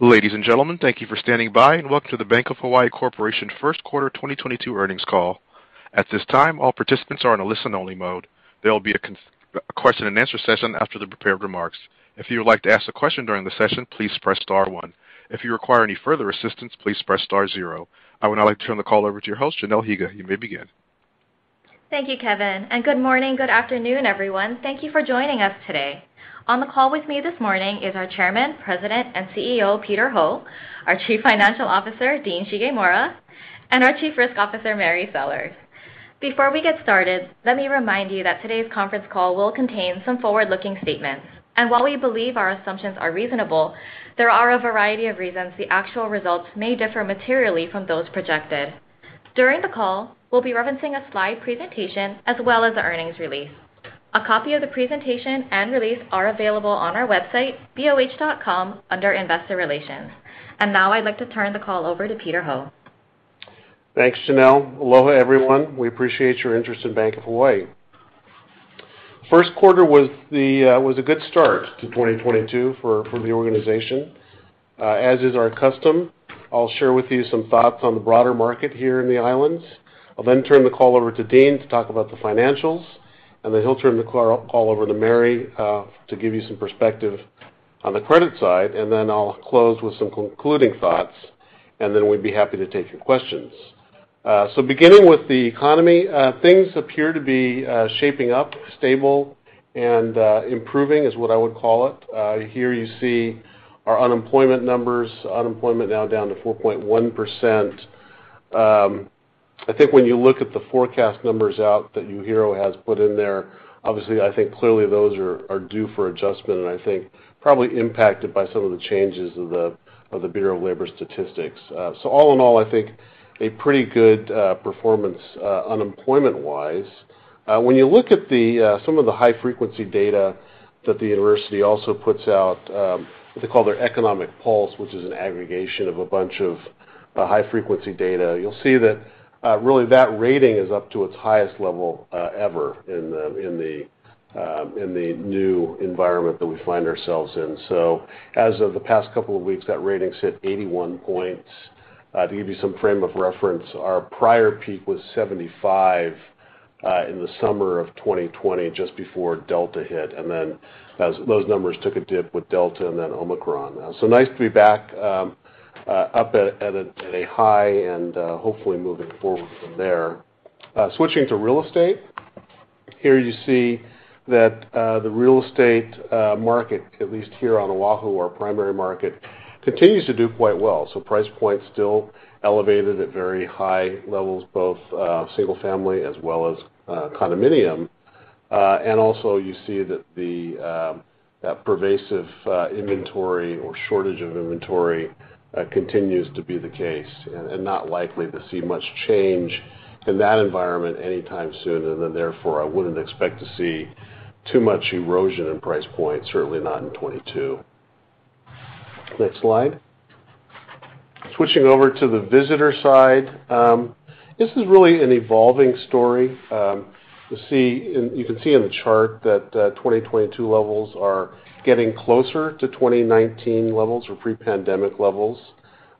Ladies and gentlemen, thank you for standing by and welcome to the Bank of Hawaii Corporation first quarter 2022 earnings call. At this time, all participants are in a listen only mode. There will be a question and answer session after the prepared remarks. If you would like to ask a question during the session, please press star one. If you require any further assistance, please press star zero. I would now like to turn the call over to your host, Janelle Higa. You may begin. Thank you, Kevin, and good morning, good afternoon, everyone. Thank you for joining us today. On the call with me this morning is our Chairman, President, and CEO, Peter Ho, our Chief Financial Officer, Dean Shigemura, and our Chief Risk Officer, Mary Sellers. Before we get started, let me remind you that today's conference call will contain some forward-looking statements. While we believe our assumptions are reasonable, there are a variety of reasons the actual results may differ materially from those projected. During the call, we'll be referencing a slide presentation as well as the earnings release. A copy of the presentation and release are available on our website, boh.com, under Investor Relations. Now I'd like to turn the call over to Peter Ho. Thanks, Janelle. Aloha, everyone. We appreciate your interest in Bank of Hawaii. First quarter was a good start to 2022 for the organization. As is our custom, I'll share with you some thoughts on the broader market here in the islands. I'll then turn the call over to Dean to talk about the financials, and then he'll turn the call over to Mary to give you some perspective on the credit side, and then I'll close with some concluding thoughts. We'd be happy to take your questions. Beginning with the economy, things appear to be shaping up, stable and improving is what I would call it. Here you see our unemployment numbers. Unemployment now down to 4.1%. I think when you look at the forecast numbers out that UHERO has put in there, obviously, I think clearly those are due for adjustment and I think probably impacted by some of the changes of the Bureau of Labor Statistics. All in all, I think a pretty good performance unemployment-wise. When you look at some of the high frequency data that the university also puts out, what they call their economic pulse, which is an aggregation of a bunch of high frequency data, you'll see that really that rating is up to its highest level ever in the new environment that we find ourselves in. As of the past couple of weeks, that rating sits 81 points. To give you some frame of reference, our prior peak was 75 in the summer of 2020, just before Delta hit, then as those numbers took a dip with Delta and then Omicron. Nice to be back up at a high and hopefully moving forward from there. Switching to real estate. Here you see that the real estate market, at least here on Oahu, our primary market, continues to do quite well. Price points still elevated at very high levels, both single family as well as condominium. Also, you see that the pervasive inventory or shortage of inventory continues to be the case and not likely to see much change in that environment anytime soon. Therefore, I wouldn't expect to see too much erosion in price point, certainly not in 2022. Next slide. Switching over to the visitor side. This is really an evolving story. You can see in the chart that, 2022 levels are getting closer to 2019 levels or pre-pandemic levels.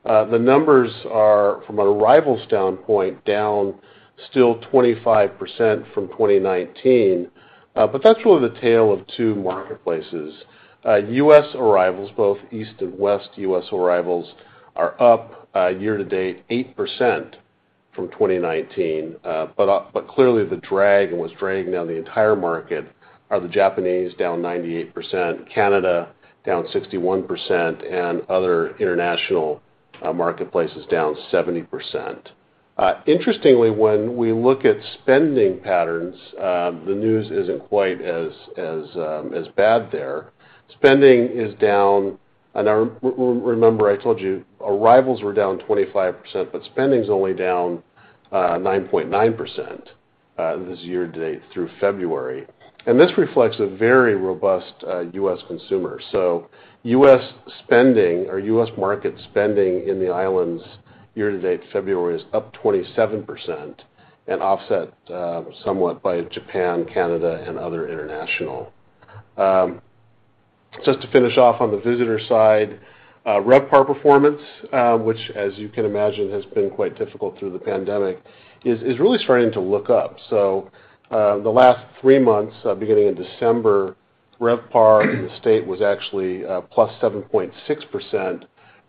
The numbers are from an arrivals standpoint, down still 25% from 2019. But that's really the tale of two marketplaces. U.S. arrivals, both East and West U.S. arrivals are up, year to date 8% from 2019. But clearly the drag and what's dragging down the entire market are the Japanese down 98%, Canada down 61% and other international, marketplaces down 70%. Interestingly, when we look at spending patterns, the news isn't quite as bad there. Spending is down, and remember I told you arrivals were down 25%, but spending is only down 9.9%, this year to date through February. This reflects a very robust U.S. consumer. U.S. spending or U.S. market spending in the islands year to date February is up 27% and offset somewhat by Japan, Canada, and other international. Just to finish off on the visitor side, RevPAR performance, which as you can imagine has been quite difficult through the pandemic, is really starting to look up. The last three months, beginning in December, RevPAR in the state was actually plus 7.6%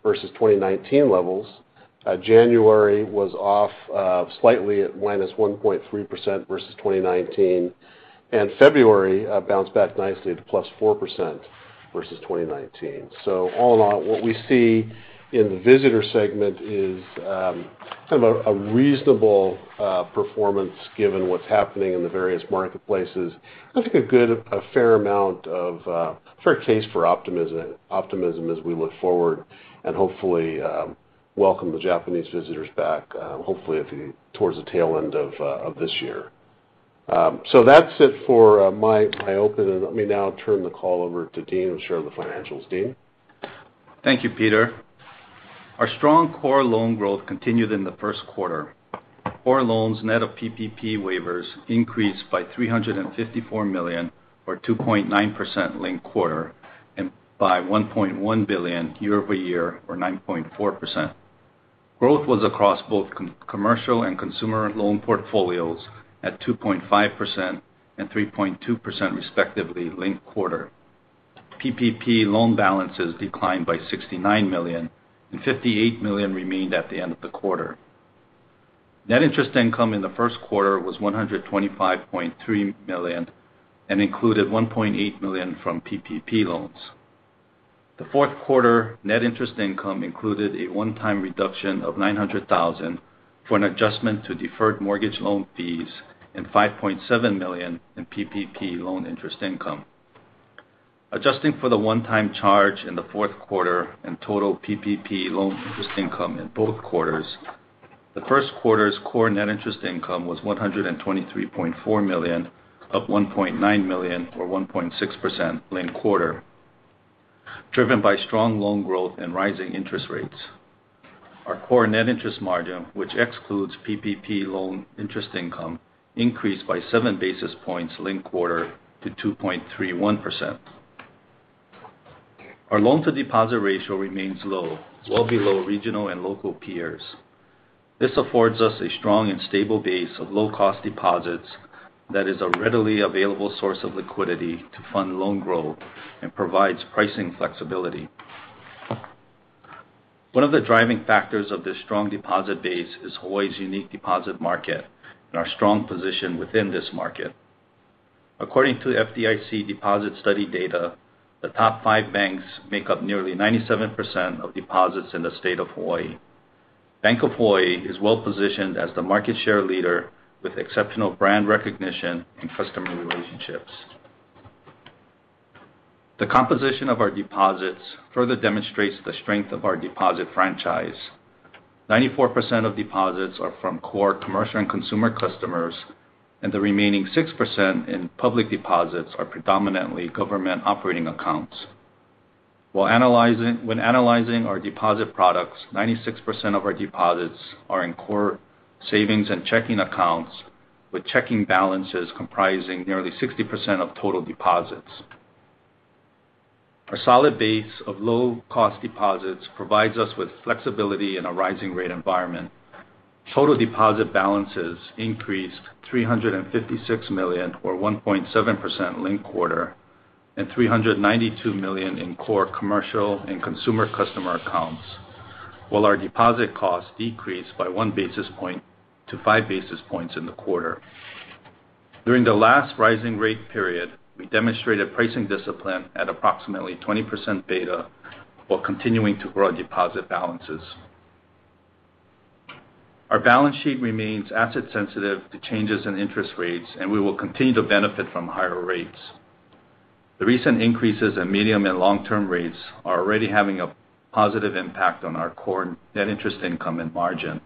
versus 2019 levels. January was off slightly at -1.3% versus 2019, and February bounced back nicely at +4% versus 2019. All in all, what we see in the visitor segment is kind of a reasonable performance given what's happening in the various marketplaces. I think a fair case for optimism as we look forward and hopefully welcome the Japanese visitors back, hopefully a few towards the tail end of this year. That's it for my open. Let me now turn the call over to Dean who'll share the financials. Dean? Thank you, Peter. Our strong core loan growth continued in the first quarter. Core loans net of PPP waivers increased by $354 million, or 2.9% linked-quarter, and by $1.1 billion year-over-year, or 9.4%. Growth was across both commercial and consumer loan portfolios at 2.5% and 3.2% respectively linked-quarter. PPP loan balances declined by $69 million, and $58 million remained at the end of the quarter. Net interest income in the first quarter was $125.3 million and included $1.8 million from PPP loans. The fourth quarter net interest income included a one-time reduction of $900,000 for an adjustment to deferred mortgage loan fees and $5.7 million in PPP loan interest income. Adjusting for the one-time charge in the fourth quarter and total PPP loan interest income in both quarters, the first quarter's core net interest income was $123.4 million, up $1.9 million or 1.6% linked quarter, driven by strong loan growth and rising interest rates. Our core net interest margin, which excludes PPP loan interest income, increased by seven basis points linked quarter to 2.31%. Our loan-to-deposit ratio remains low, well below regional and local peers. This affords us a strong and stable base of low-cost deposits that is a readily available source of liquidity to fund loan growth and provides pricing flexibility. One of the driving factors of this strong deposit base is Hawaii's unique deposit market and our strong position within this market. According to FDIC deposit study data, the top five banks make up nearly 97% of deposits in the state of Hawaii. Bank of Hawaii is well-positioned as the market share leader with exceptional brand recognition and customer relationships. The composition of our deposits further demonstrates the strength of our deposit franchise. 94% of deposits are from core commercial and consumer customers, and the remaining 6% in public deposits are predominantly government operating accounts. When analyzing our deposit products, 96% of our deposits are in core savings and checking accounts, with checking balances comprising nearly 60% of total deposits. Our solid base of low-cost deposits provides us with flexibility in a rising rate environment. Total deposit balances increased $356 million or 1.7% linked quarter and $392 million in core commercial and consumer customer accounts, while our deposit costs decreased by 1 basis point to 5 basis points in the quarter. During the last rising rate period, we demonstrated pricing discipline at approximately 20% beta while continuing to grow our deposit balances. Our balance sheet remains asset sensitive to changes in interest rates, and we will continue to benefit from higher rates. The recent increases in medium and long-term rates are already having a positive impact on our core net interest income and margin.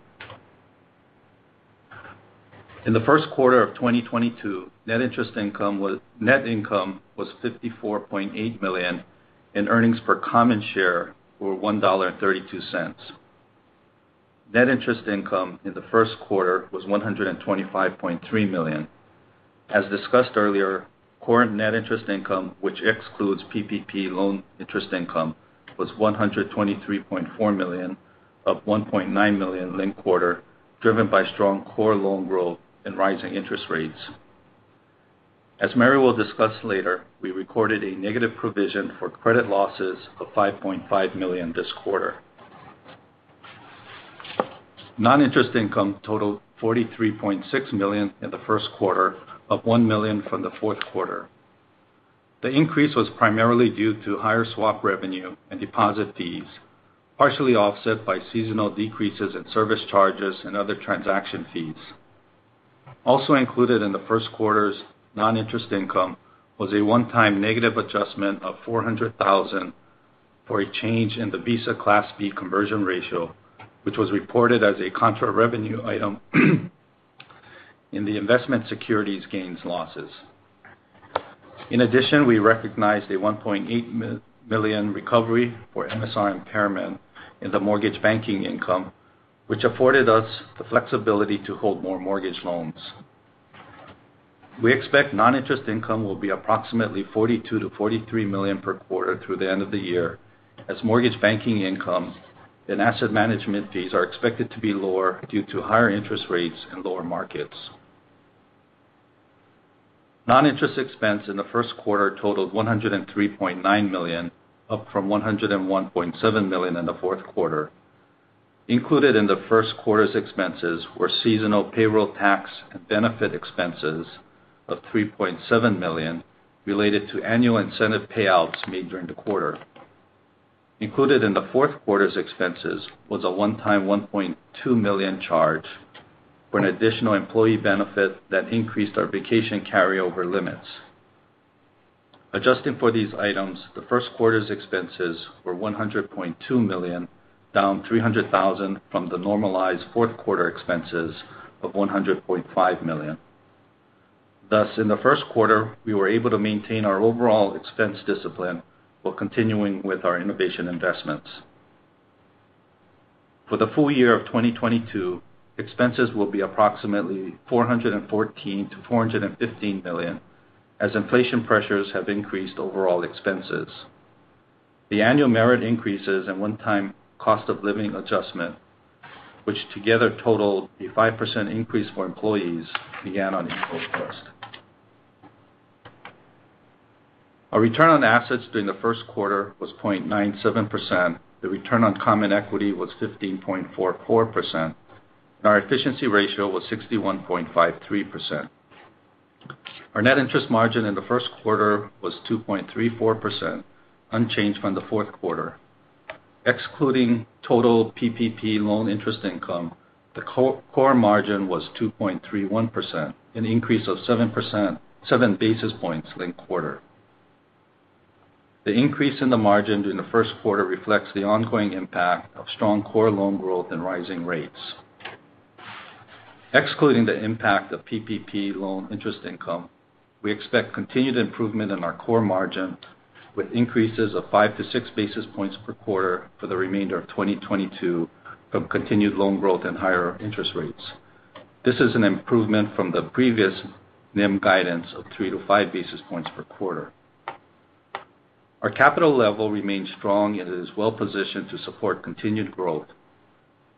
In the first quarter of 2022, net income was $54.8 million and earnings per common share were $1.32. Net interest income in the first quarter was $125.3 million. As discussed earlier, core net interest income, which excludes PPP loan interest income, was $123.4 million up $1.9 million linked quarter, driven by strong core loan growth and rising interest rates. As Mary will discuss later, we recorded a negative provision for credit losses of $5.5 million this quarter. Non-interest income totaled $43.6 million in the first quarter up $1 million from the fourth quarter. The increase was primarily due to higher swap revenue and deposit fees, partially offset by seasonal decreases in service charges and other transaction fees. Also included in the first quarter's non-interest income was a one-time negative adjustment of $400,000 for a change in the Visa Class B conversion ratio, which was reported as a contra revenue item in the investment securities gains, losses. In addition, we recognized a $1.8 million recovery for MSR impairment in the mortgage banking income, which afforded us the flexibility to hold more mortgage loans. We expect non-interest income will be approximately $42 million-$43 million per quarter through the end of the year, as mortgage banking income and asset management fees are expected to be lower due to higher interest rates and lower markets. Non-interest expense in the first quarter totaled $103.9 million, up from $101.7 million in the fourth quarter. Included in the first quarter's expenses were seasonal payroll tax and benefit expenses of $3.7 million related to annual incentive payouts made during the quarter. Included in the fourth quarter's expenses was a one-time $1.2 million charge for an additional employee benefit that increased our vacation carryover limits. Adjusting for these items, the first quarter's expenses were $100.2 million, down $300,000 from the normalized fourth quarter expenses of $100.5 million. Thus, in the first quarter, we were able to maintain our overall expense discipline while continuing with our innovation investments. For the full year of 2022, expenses will be approximately $414 million-$415 million as inflation pressures have increased overall expenses. The annual merit increases and one-time cost-of-living adjustment, which together totaled a 5% increase for employees, began on April 1. Our return on assets during the first quarter was 0.97%. The return on common equity was 15.44%, and our efficiency ratio was 61.53%. Our net interest margin in the first quarter was 2.34%, unchanged from the fourth quarter. Excluding total PPP loan interest income, the core margin was 2.31%, an increase of seven basis points linked quarter. The increase in the margin during the first quarter reflects the ongoing impact of strong core loan growth and rising rates. Excluding the impact of PPP loan interest income, we expect continued improvement in our core margin with increases of 5-6 basis points per quarter for the remainder of 2022 from continued loan growth and higher interest rates. This is an improvement from the previous NIM guidance of 3-5 basis points per quarter. Our capital level remains strong and it is well-positioned to support continued growth.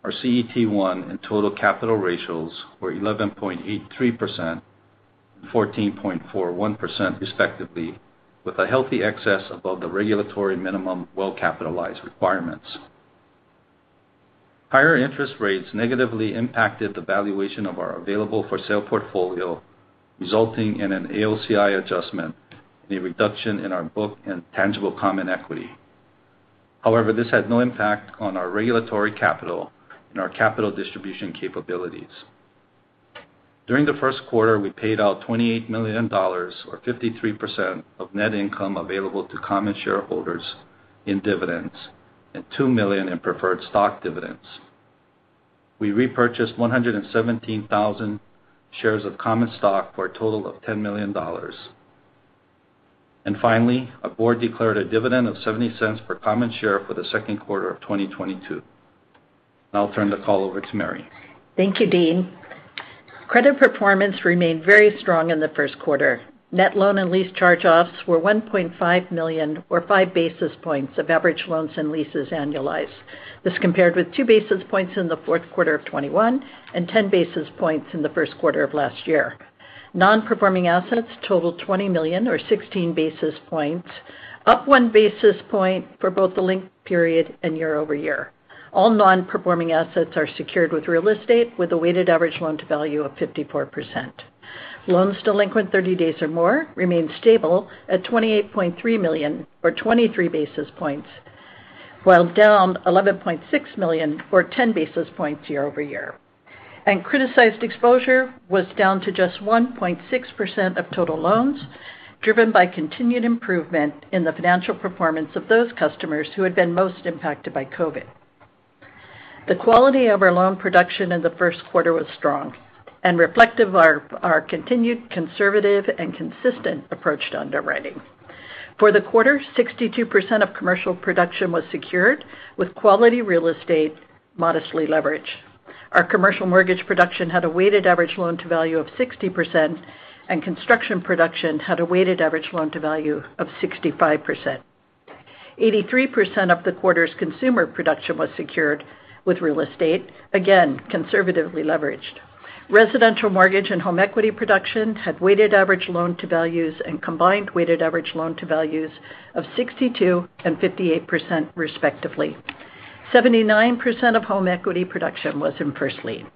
Our CET1 and total capital ratios were 11.83% and 14.41% respectively, with a healthy excess above the regulatory minimum well-capitalized requirements. Higher interest rates negatively impacted the valuation of our available for sale portfolio, resulting in an AOCI adjustment and a reduction in our book and tangible common equity. However, this had no impact on our regulatory capital and our capital distribution capabilities. During the first quarter, we paid out $28 million, or 53% of net income available to common shareholders in dividends and $2 million in preferred stock dividends. We repurchased 117,000 shares of common stock for a total of $10 million. Finally, our board declared a dividend of $0.70 per common share for the second quarter of 2022. Now I'll turn the call over to Mary. Thank you, Dean. Credit performance remained very strong in the first quarter. Net loan and lease charge-offs were $1.5 million or 5 basis points of average loans and leases annualized. This compared with 2 basis points in the fourth quarter of 2021 and 10 basis points in the first quarter of last year. Non-performing assets totaled $20 million or 16 basis points, up 1 basis point for both the linked period and year-over-year. All non-performing assets are secured with real estate, with a weighted average loan to value of 54%. Loans delinquent 30 days or more remained stable at $28.3 million or 23 basis points, while down $11.6 million or 10 basis points year-over-year. Criticized exposure was down to just 1.6% of total loans, driven by continued improvement in the financial performance of those customers who had been most impacted by COVID. The quality of our loan production in the first quarter was strong and reflective of our continued conservative and consistent approach to underwriting. For the quarter, 62% of commercial production was secured with quality real estate modestly leveraged. Our commercial mortgage production had a weighted average loan to value of 60%, and construction production had a weighted average loan to value of 65%. 83% of the quarter's consumer production was secured with real estate, again, conservatively leveraged. Residential mortgage and home equity production had weighted average loan to values and combined weighted average loan to values of 62% and 58% respectively. 79% of home equity production was in first lien.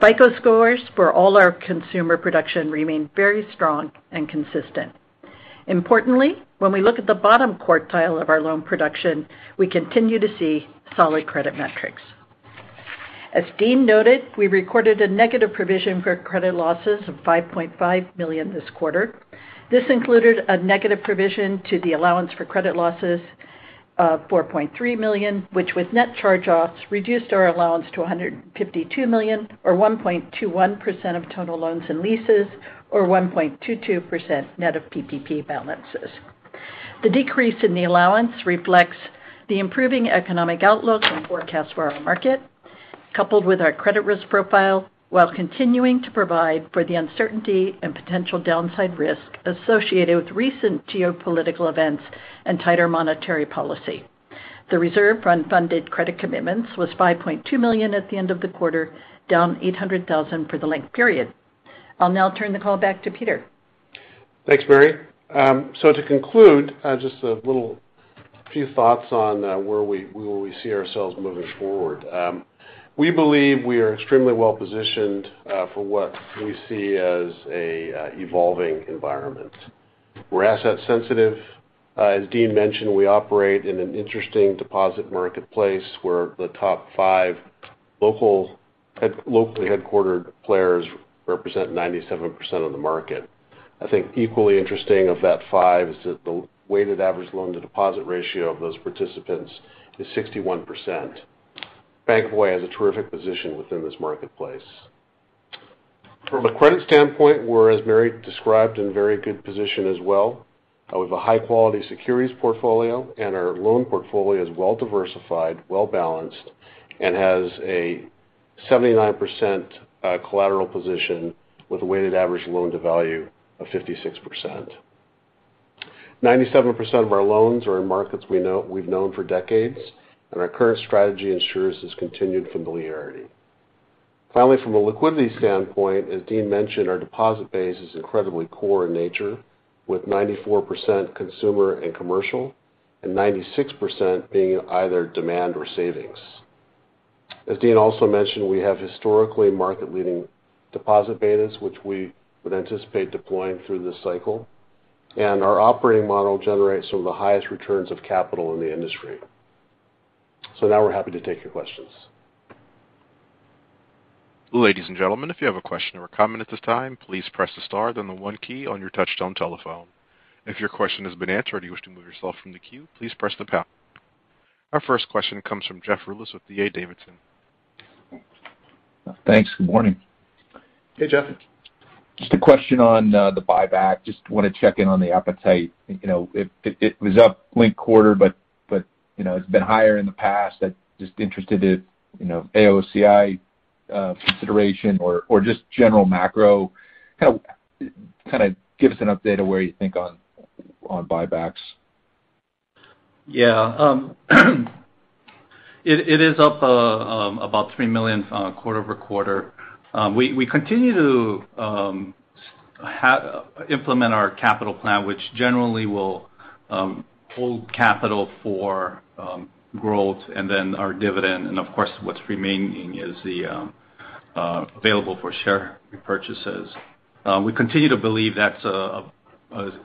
FICO scores for all our consumer production remained very strong and consistent. Importantly, when we look at the bottom quartile of our loan production, we continue to see solid credit metrics. As Dean noted, we recorded a negative provision for credit losses of $5.5 million this quarter. This included a negative provision to the allowance for credit losses of $4.3 million, which with net charge-offs, reduced our allowance to $152 million or 1.21% of total loans and leases, or 1.22% net of PPP balances. The decrease in the allowance reflects the improving economic outlook and forecast for our market, coupled with our credit risk profile, while continuing to provide for the uncertainty and potential downside risk associated with recent geopolitical events and tighter monetary policy. The reserve for unfunded credit commitments was $5.2 million at the end of the quarter, down $800,000 for the linked period. I'll now turn the call back to Peter. Thanks, Mary. To conclude, just a little few thoughts on where we see ourselves moving forward. We believe we are extremely well positioned for what we see as an evolving environment. We're asset sensitive. As Dean mentioned, we operate in an interesting deposit marketplace where the top five locally headquartered players represent 97% of the market. I think equally interesting of that 5 is that the weighted average loan to deposit ratio of those participants is 61%. Bank of Hawaii has a terrific position within this marketplace. From a credit standpoint, we're, as Mary described, in very good position as well. We have a high-quality securities portfolio, and our loan portfolio is well diversified, well balanced, and has a 79% collateral position with a weighted average loan-to-value of 56%. Ninety-seven percent of our loans are in markets we know, we've known for decades, and our current strategy ensures this continued familiarity. Finally, from a liquidity standpoint, as Dean mentioned, our deposit base is incredibly core in nature with 94% consumer and commercial and 96% being either demand or savings. As Dean also mentioned, we have historically market-leading deposit betas, which we would anticipate deploying through this cycle. Our operating model generates some of the highest returns of capital in the industry. Now we're happy to take your questions. Our first question comes from Jeff Rulis with D.A. Davidson. Thanks. Good morning. Hey, Jeff. Just a question on the buyback. Just want to check in on the appetite. You know, it was up last quarter, but you know, it's been higher in the past. I'm just interested if, you know, AOCI consideration or just general macro. Kind of give us an update of where you think on buybacks. It is up about $3 million quarter-over-quarter. We continue to implement our capital plan, which generally will hold capital for growth and then our dividend. Of course, what's remaining is the available for share repurchases. We continue to believe that's an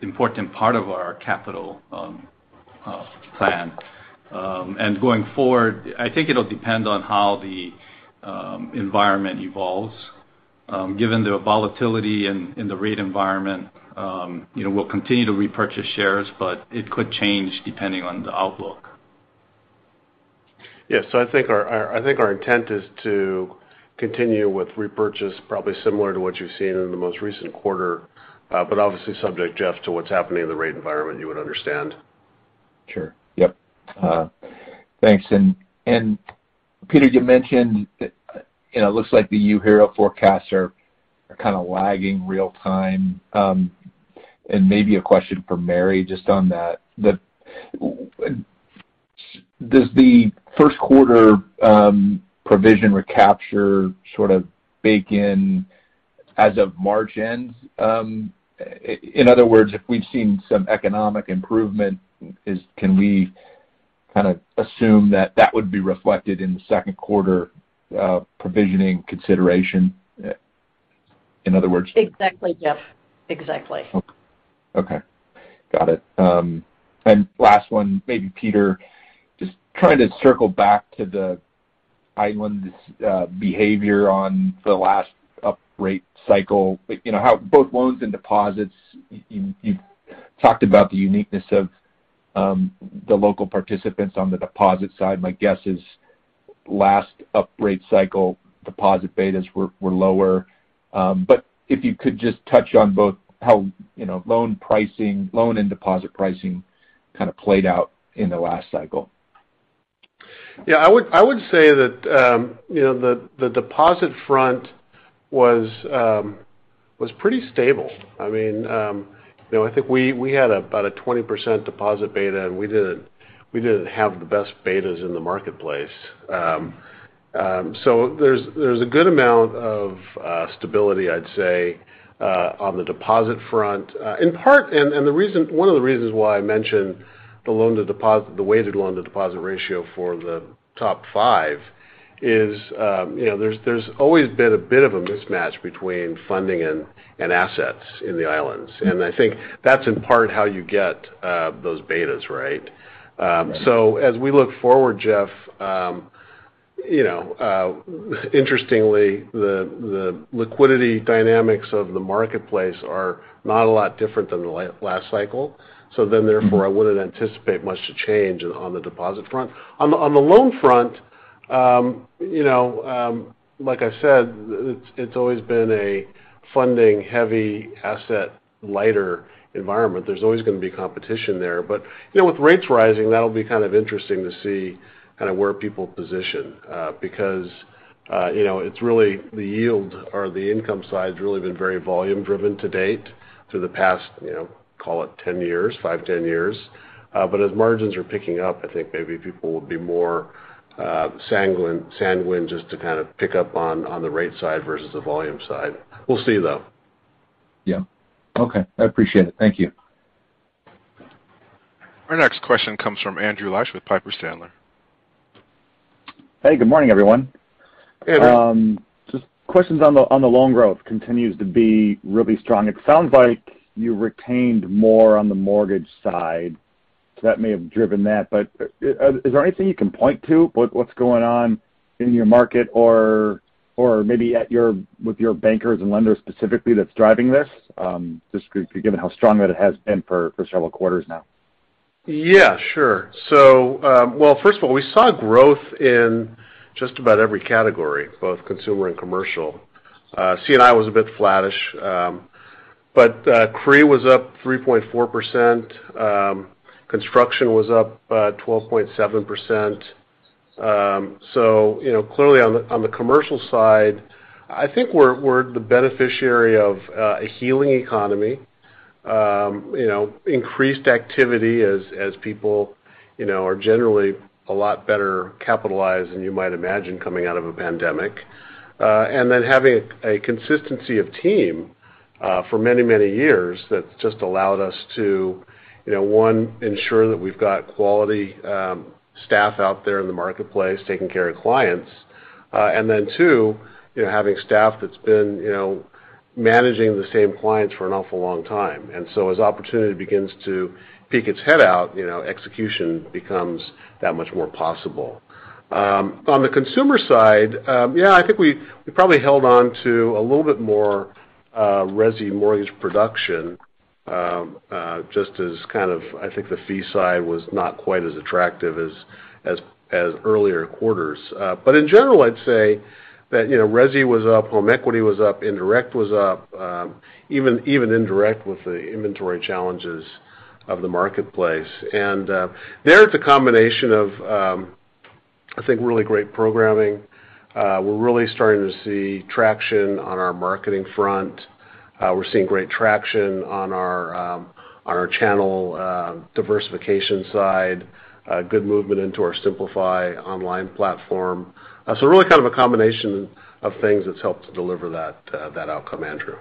important part of our capital plan. Going forward, I think it'll depend on how the environment evolves. Given the volatility in the rate environment, you know, we'll continue to repurchase shares, but it could change depending on the outlook. Yes. I think our intent is to continue with repurchase probably similar to what you've seen in the most recent quarter, but obviously subject, Jeff, to what's happening in the rate environment, you would understand. Sure. Yep. Thanks. Peter, you mentioned, you know, it looks like the UHERO forecasts are kind of lagging real time. Maybe a question for Mary just on that. Does the first quarter provision recapture sort of bake in as of March end, in other words, if we've seen some economic improvement, can we kind of assume that would be reflected in the second quarter provisioning consideration? In other words Exactly, Jeff. Exactly. Okay. Got it. Last one, maybe Peter, just trying to circle back to the islands', behavior on the last uprate cycle. You know, how both loans and deposits, you talked about the uniqueness of, the local participants on the deposit side. My guess is last uprate cycle deposit betas were lower. If you could just touch on both how, you know, loan pricing, loan and deposit pricing kind of played out in the last cycle. Yeah. I would say that, you know, the deposit front was pretty stable. I mean, you know, I think we had about a 20% deposit beta, and we didn't have the best betas in the marketplace. So there's a good amount of stability, I'd say, on the deposit front. In part, the reason, one of the reasons why I mentioned the weighted loan to deposit ratio for the top five is, you know, there's always been a bit of a mismatch between funding and assets in the islands. I think that's in part how you get those betas, right? As we look forward, Jeff, you know, interestingly, the liquidity dynamics of the marketplace are not a lot different than the last cycle. Therefore, I wouldn't anticipate much to change on the deposit front. On the loan front, you know, like I said, it's always been a funding heavy asset, lighter environment. There's always gonna be competition there. You know, with rates rising, that'll be kind of interesting to see kind of where people position, because, you know, it's really the yield or the income side's really been very volume driven to date through the past, you know, call it 10 years, 5, 10 years. As margins are picking up, I think maybe people will be more sanguine just to kind of pick up on the rate side versus the volume side. We'll see, though. Yeah. Okay. I appreciate it. Thank you. Our next question comes from Andrew Liesch with Piper Sandler. Hey, good morning, everyone. Hey, Andrew. Just questions on the loan growth continues to be really strong. It sounds like you retained more on the mortgage side, so that may have driven that. Is there anything you can point to what's going on in your market or maybe with your bankers and lenders specifically that's driving this? Just given how strong that it has been for several quarters now. Yeah, sure. Well, first of all, we saw growth in just about every category, both consumer and commercial. C&I was a bit flattish, but CRE was up 3.4%. Construction was up 12.7%. You know, clearly on the commercial side, I think we're the beneficiary of a healing economy. You know, increased activity as people you know are generally a lot better capitalized than you might imagine coming out of a pandemic. Having a consistency of team for many years, that's just allowed us to you know one ensure that we've got quality staff out there in the marketplace taking care of clients. Then, too, you know, having staff that's been, you know, managing the same clients for an awful long time. Opportunity begins to peek its head out, you know, execution becomes that much more possible. On the consumer side, yeah, I think we probably held on to a little bit more resi mortgage production, just as kind of I think the fee side was not quite as attractive as earlier quarters. In general, I'd say that, you know, resi was up, home equity was up, indirect was up, even indirect with the inventory challenges of the marketplace. There's a combination of, I think really great programming. We're really starting to see traction on our marketing front. We're seeing great traction on our channel diversification side, good movement into our Simplify online platform. Really kind of a combination of things that's helped to deliver that outcome, Andrew.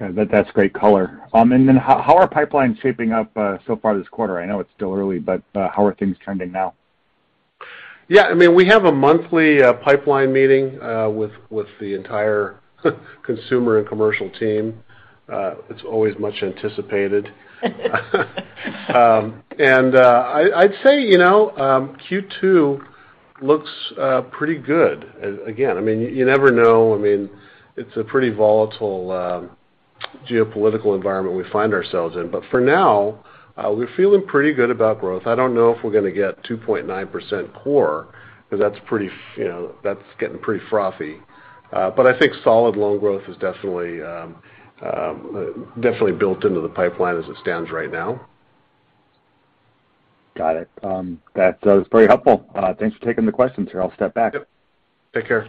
Okay. That's great color. How are pipelines shaping up so far this quarter? I know it's still early, but how are things trending now? Yeah. I mean, we have a monthly pipeline meeting with the entire consumer and commercial team. It's always much anticipated. I'd say, you know, Q2 looks pretty good. Again, I mean, you never know. I mean, it's a pretty volatile geopolitical environment we find ourselves in. For now, we're feeling pretty good about growth. I don't know if we're gonna get 2.9% core, 'cause that's getting pretty frothy. I think solid loan growth is definitely built into the pipeline as it stands right now. Got it. That was very helpful. Thanks for taking the questions here. I'll step back. Yep. Take care.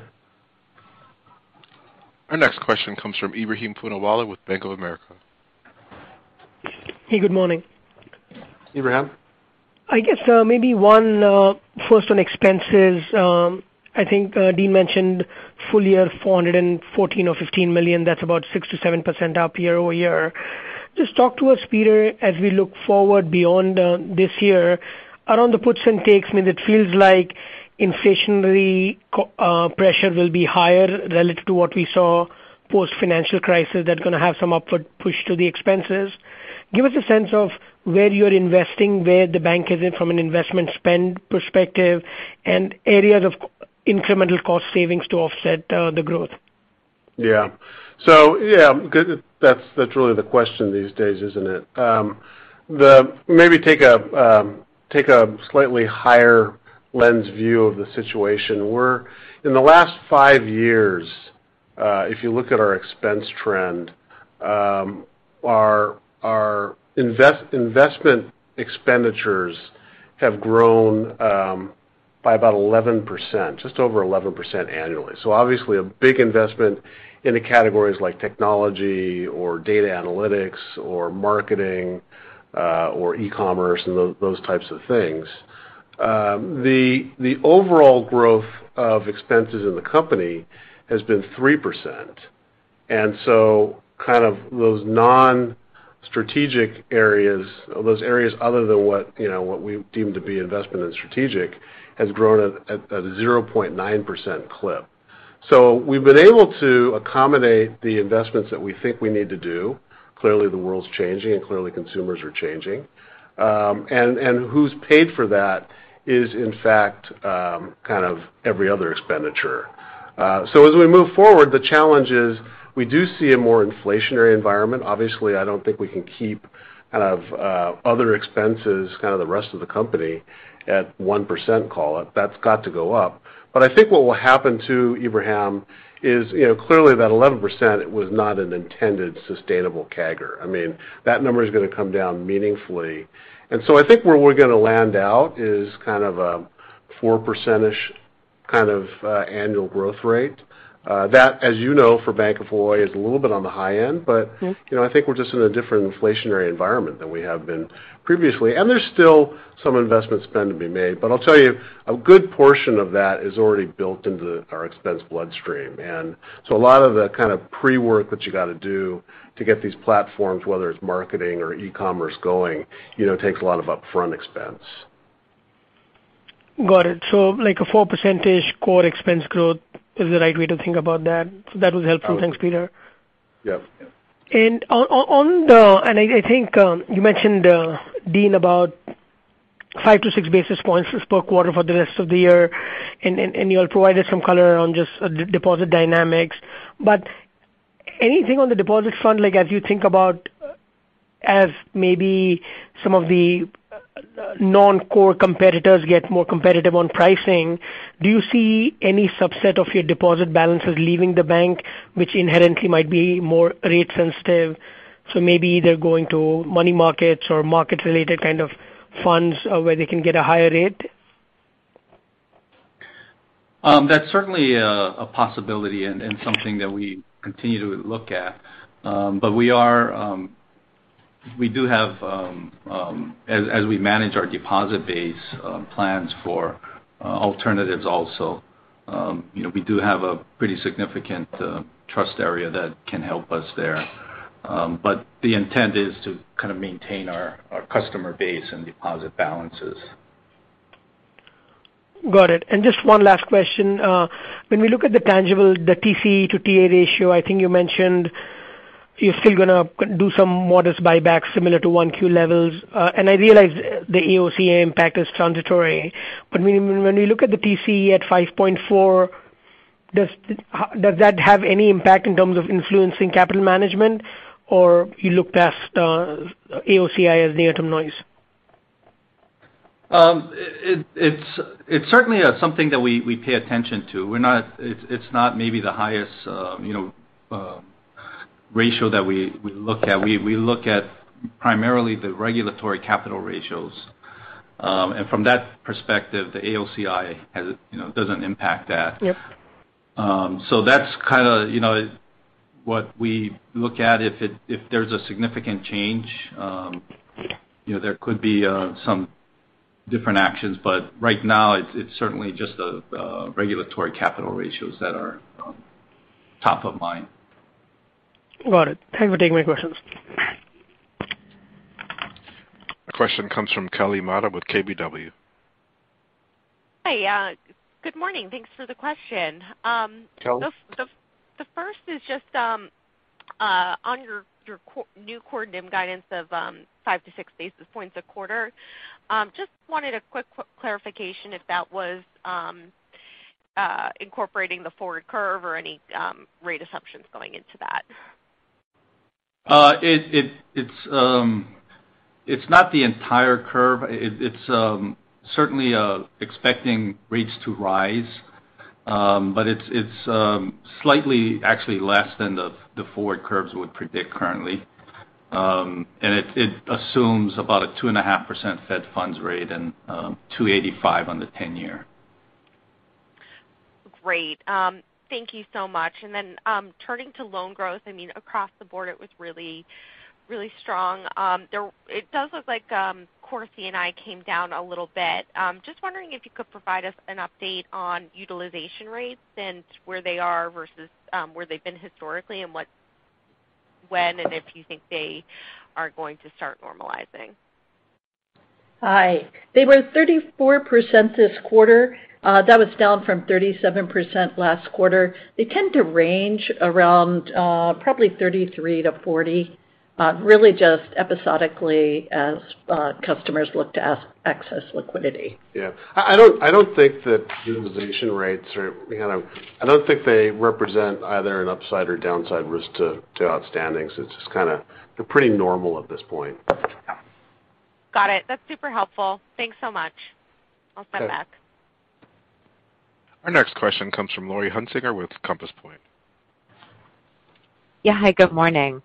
Our next question comes from Ebrahim Poonawala with Bank of America. Hey, good morning. Ebrahim. I guess maybe one first on expenses. I think Dean mentioned full year $414 million or $415 million. That's about 6%-7% up year-over-year. Just talk to us, Peter, as we look forward beyond this year around the puts and takes. I mean, it feels like inflationary pressure will be higher relative to what we saw post-financial crisis. That's gonna have some upward push to the expenses. Give us a sense of where you're investing, where the bank is in from an investment spend perspective, and areas of incremental cost savings to offset the growth. Yeah. Yeah, good, that's really the question these days, isn't it? Maybe take a slightly higher lens view of the situation. In the last five years, if you look at our expense trend, our investment expenditures have grown by about 11%, just over 11% annually. Obviously a big investment in the categories like technology or data analytics or marketing, or e-commerce and those types of things. The overall growth of expenses in the company has been 3%. Kind of those non-strategic areas, those areas other than what, you know, what we deem to be investment and strategic, has grown at a 0.9% clip. We've been able to accommodate the investments that we think we need to do. Clearly, the world's changing and clearly consumers are changing. Who's paid for that is in fact kind of every other expenditure. As we move forward, the challenge is we do see a more inflationary environment. Obviously, I don't think we can keep kind of other expenses, kind of the rest of the company at 1% call it. That's got to go up. I think what will happen, too, Ebrahim, is, you know, clearly that 11% was not an intended sustainable CAGR. I mean, that number is gonna come down meaningfully. I think where we're gonna land out is kind of a 4%-ish kind of annual growth rate. That, as you know, for Bank of Hawaii is a little bit on the high end, but- Mm-hmm. You know, I think we're just in a different inflationary environment than we have been previously. There's still some investment spend to be made. I'll tell you, a good portion of that is already built into our expense bloodstream. A lot of the kind of pre-work that you gotta do to get these platforms, whether it's marketing or e-commerce going, you know, takes a lot of upfront expense. Got it. Like a 4% core expense growth is the right way to think about that. That was helpful. Thanks, Peter. Yep. I think you mentioned, Dean, about 5-6 basis points per quarter for the rest of the year. You all provided some color on just deposit dynamics. Anything on the deposits front, like as you think about as maybe some of the non-core competitors get more competitive on pricing, do you see any subset of your deposit balances leaving the bank which inherently might be more rate sensitive, so maybe they're going to money markets or market-related kind of funds, where they can get a higher rate? That's certainly a possibility and something that we continue to look at. We do have, as we manage our deposit base, plans for alternatives also. You know, we do have a pretty significant trust area that can help us there. The intent is to kind of maintain our customer base and deposit balances. Got it. Just one last question. When we look at the tangible, the TCE to TA ratio, I think you mentioned you're still gonna do some modest buybacks similar to 1Q levels. I realize the AOCI impact is transitory, but when you look at the TCE at 5.4, does that have any impact in terms of influencing capital management, or you looked past AOCI as the item noise? It's certainly something that we pay attention to. It's not maybe the highest, you know, ratio that we look at. We look at primarily the regulatory capital ratios. From that perspective, the AOCI, you know, doesn't impact that. Yep. That's kind of, you know, what we look at. If there's a significant change, you know, there could be some different actions. Right now it's certainly just the regulatory capital ratios that are top of mind. Got it. Thank you for taking my questions. The question comes from Kelly Motta with KBW. Hi. Good morning. Thanks for the question. Kelly. The first is just on your new core NIM guidance of 5-6 basis points a quarter. Just wanted a quick clarification if that was incorporating the forward curve or any rate assumptions going into that. It's not the entire curve. It's certainly expecting rates to rise. It's slightly actually less than the forward curves would predict currently. It assumes about a 2.5% Fed funds rate and 2.85% on the 10-year. Great. Thank you so much. Turning to loan growth, I mean, across the board it was really, really strong. It does look like core C&I came down a little bit. Just wondering if you could provide us an update on utilization rates and where they are versus where they've been historically and when and if you think they are going to start normalizing. Hi. They were 34% this quarter, that was down from 37% last quarter. They tend to range around probably 33%-40%, really just episodically as customers look to access liquidity. Yeah. I don't think they represent either an upside or downside risk to outstandings. It's just kind of they're pretty normal at this point. Got it. That's super helpful. Thanks so much. I'll send it back. Our next question comes from Laurie Hunsicker with Compass Point. Yeah. Hi, good morning.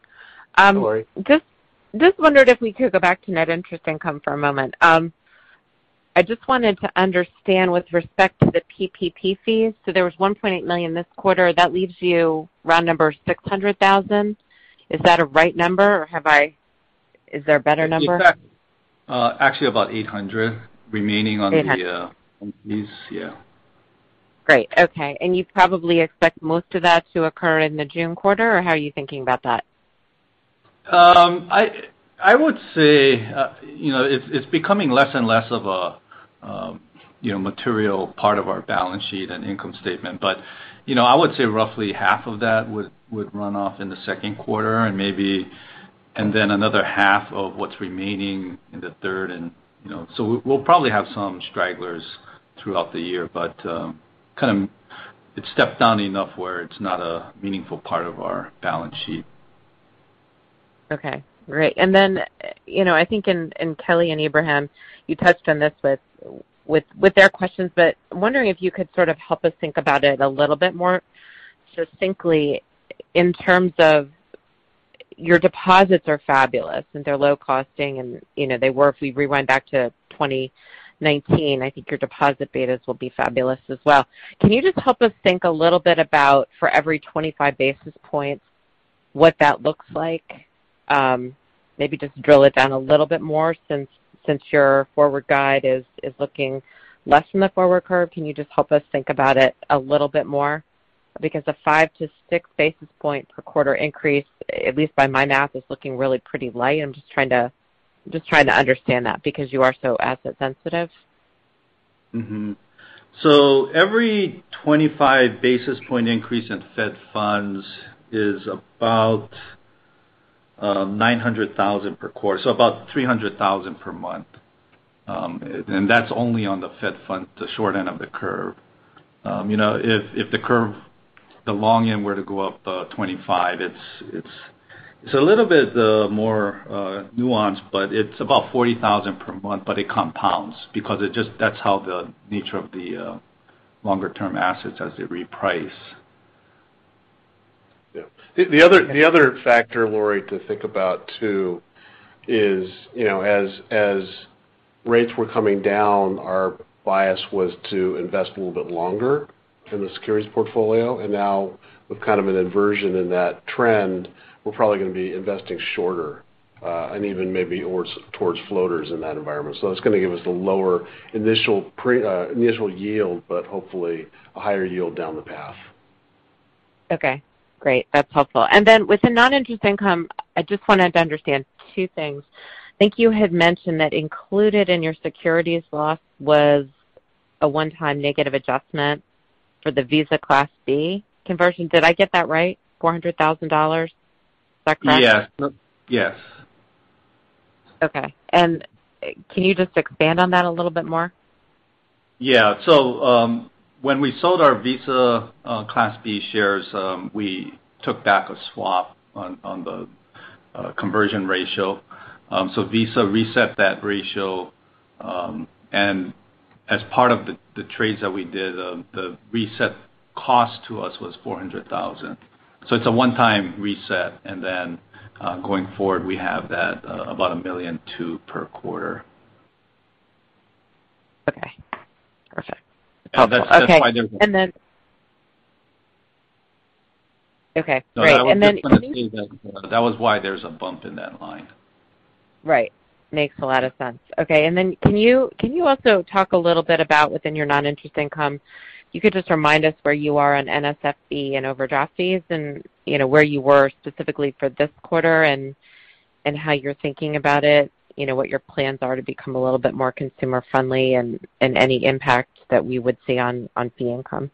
Hi, Laurie. Just wondered if we could go back to net interest income for a moment. I just wanted to understand with respect to the PPP fees, so there was $1.8 million this quarter. That leaves you round number $600,000. Is that a right number or is there a better number? It's actually about 800 remaining on the. 800. These. Yeah. Great. Okay. You probably expect most of that to occur in the June quarter, or how are you thinking about that? I would say, you know, it's becoming less and less of a, you know, material part of our balance sheet and income statement. You know, I would say roughly half of that would run off in the second quarter and then another half of what's remaining in the third and, you know. We'll probably have some stragglers throughout the year, but kind of it's stepped down enough where it's not a meaningful part of our balance sheet. Okay, great. You know, I think and Kelly and Ebrahim, you touched on this with their questions, but I'm wondering if you could sort of help us think about it a little bit more succinctly in terms of your deposits are fabulous, and they're low costing and, you know, they work. We rewind back to 2019, I think your deposit betas will be fabulous as well. Can you just help us think a little bit about for every 25 basis points, what that looks like? Maybe just drill it down a little bit more since your forward guidance is looking less than the forward curve. Can you just help us think about it a little bit more? Because a 5-6 basis point per quarter increase, at least by my math, is looking really pretty light. I'm just trying to understand that because you are so asset sensitive. Every 25 basis points increase in Fed funds is about $900,000 per quarter, so about $300,000 per month. That's only on the Fed funds, the short end of the curve. You know, if the curve, the long end were to go up 25, it's a little bit more nuanced, but it's about $40,000 per month, but it compounds because it just, that's how the nature of the longer term assets as they reprice. Yeah. The other factor, Laurie, to think about too is, you know, as rates were coming down, our bias was to invest a little bit longer in the securities portfolio, and now with kind of an inversion in that trend, we're probably gonna be investing shorter, and even maybe or towards floaters in that environment. So that's gonna give us the lower initial yield but hopefully a higher yield down the path. Okay, great. That's helpful. Within non-interest income, I just wanted to understand two things. I think you had mentioned that included in your securities loss was a one-time negative adjustment for the Visa Class B conversion. Did I get that right, $400,000? Is that correct? Yes. Yes. Okay. Can you just expand on that a little bit more? Yeah. When we sold our Visa Class B shares, we took back a swap on the conversion ratio. Visa reset that ratio, and as part of the trades that we did, the reset cost to us was $400,000. It's a one-time reset, and then going forward, we have that about $1.2 million per quarter. Okay. Perfect. That's why there's- Okay. Okay, great. Can you- That was why there's a bump in that line. Right. Makes a lot of sense. Okay. Can you also talk a little bit about within your non-interest income? You could just remind us where you are on NSF and overdraft fees and, you know, where you were specifically for this quarter and how you're thinking about it, you know, what your plans are to become a little bit more consumer-friendly and any impact that we would see on fee income.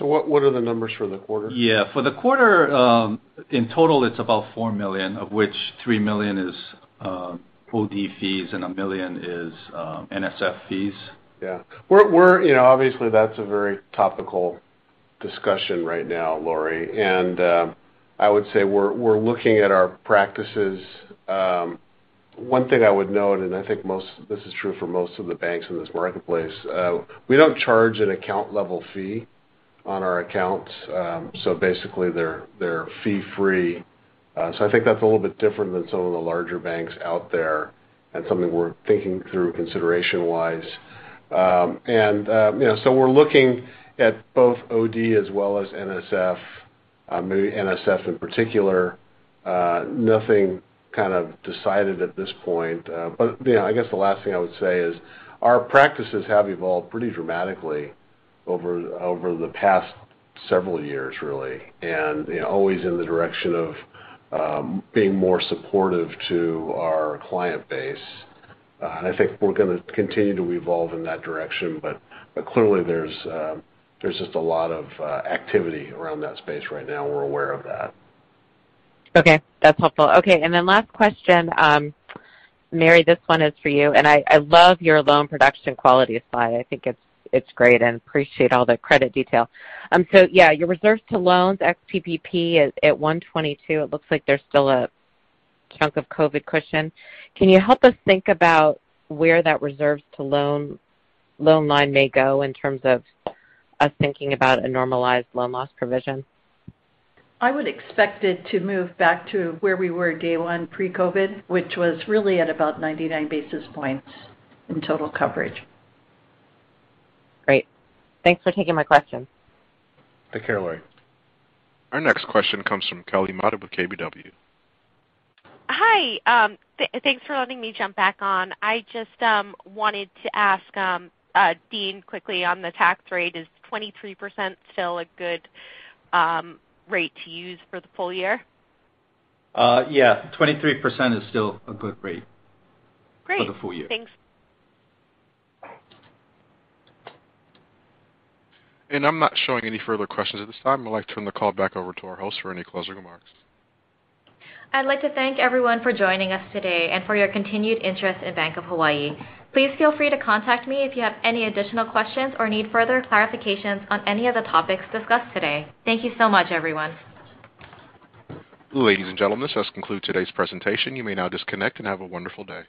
What are the numbers for the quarter? Yeah. For the quarter, in total, it's about $4 million, of which $3 million is OD fees and $1 million is NSF fees. Yeah. We're, you know, obviously that's a very topical discussion right now, Laurie, and I would say we're looking at our practices. One thing I would note, and I think most, this is true for most of the banks in this marketplace, we don't charge an account level fee on our accounts. So basically they're fee-free. So I think that's a little bit different than some of the larger banks out there and something we're thinking through consideration-wise. And you know, so we're looking at both OD as well as NSF, maybe NSF in particular. Nothing kind of decided at this point. I guess the last thing I would say is our practices have evolved pretty dramatically over the past several years really, and you know always in the direction of being more supportive to our client base. I think we're gonna continue to evolve in that direction. Clearly there's just a lot of activity around that space right now. We're aware of that. Okay. That's helpful. Okay. Last question. Mary, this one is for you. I love your loan production quality slide. I think it's great and appreciate all the credit detail. Your reserves to loans ex-PPP is at 122. It looks like there's still a chunk of COVID cushion. Can you help us think about where that reserves to loan line may go in terms of us thinking about a normalized loan loss provision? I would expect it to move back to where we were day one pre-COVID, which was really at about 99 basis points in total coverage. Great. Thanks for taking my questions. Take care, Laurie. Our next question comes from Kelly Motta with KBW. Hi. Thanks for letting me jump back on. I just wanted to ask Dean quickly on the tax rate, is 23% still a good rate to use for the full year? Yeah. 23% is still a good rate. Great for the full year. Thanks. I'm not showing any further questions at this time. I'd like to turn the call back over to our host for any closing remarks. I'd like to thank everyone for joining us today and for your continued interest in Bank of Hawaii. Please feel free to contact me if you have any additional questions or need further clarifications on any of the topics discussed today. Thank you so much, everyone. Ladies and gentlemen, this does conclude today's presentation. You may now disconnect and have a wonderful day.